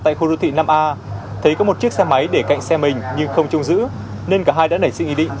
tại năm a thấy có một chiếc xe máy để cạnh xe mình nhưng không chung giữ nên cả hai đã nảy sự ý định